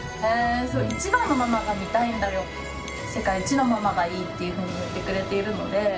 １番のママが見たいんだよ、世界一のママがいいっていうふうに言ってくれているので。